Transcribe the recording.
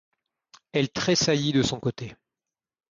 Elle tressaillit de son côté.